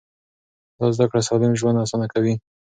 دا زده کړه سالم ژوند اسانه کوي.